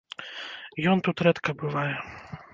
Ён тут рэдка бывае.